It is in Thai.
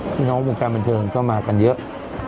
พี่น้องวงการบันเทิงก็มากันเยอะ